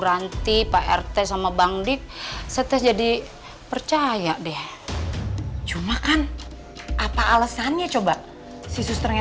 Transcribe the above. ranti pak rt sama bang dik saya tes jadi percaya deh cuma kan apa alasannya coba si susternya